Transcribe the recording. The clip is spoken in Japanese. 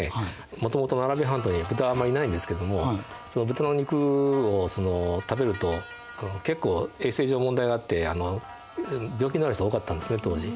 もともとアラビア半島には豚はあんまりいないんですけども豚の肉を食べると結構衛生上問題があって病気になる人が多かったんですね当時。